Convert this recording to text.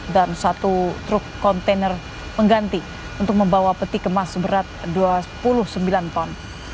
dan satu truk kontainer mengganti untuk membawa peti kemas berat dua puluh sembilan ton